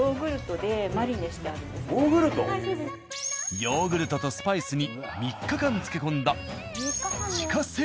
ヨーグルトとスパイスに３日間漬け込んだ。